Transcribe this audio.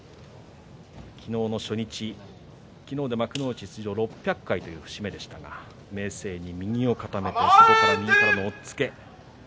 昨日の初日昨日で幕内出場６００回という節目でしたが明生に右を固めてそこから右からの押っつけ。